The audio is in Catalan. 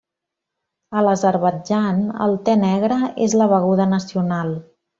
A l'Azerbaidjan, el te negre és la beguda nacional.